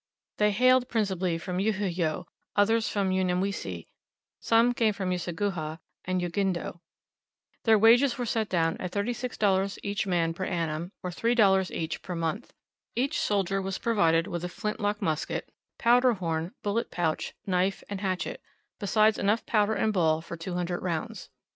They hailed principally from Uhiyow, others from Unyamwezi, some came from Useguhha and Ugindo. Their wages were set down at $36 each man per annum, or $3 each per month. Each soldier was provided with a flintlock musket, powder horn, bullet pouch, knife, and hatchet, besides enough powder and ball for 200 rounds.